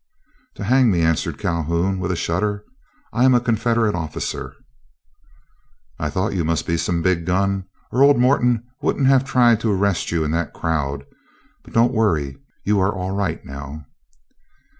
"To hang me," answered Calhoun, with a shudder. "I am a Confederate officer." "I thought you must be some big gun, or old Morton wouldn't have tried to arrest you in that crowd; but don't worry, you are all right now."